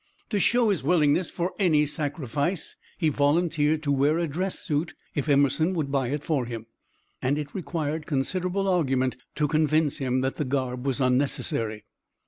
To show his willingness for any sacrifice, he volunteered to wear a dress suit if Emerson would buy it for him, and it required considerable argument to convince him that the garb was unnecessary.